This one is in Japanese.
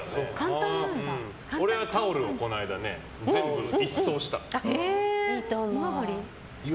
俺、タオルをこの間全部一掃した。